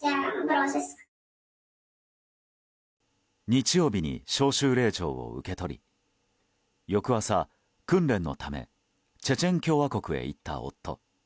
日曜日に招集令状を受け取り翌朝、訓練のためチェチェン共和国へ行った夫。